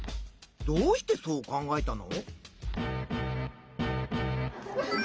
どうしてそう考えたの？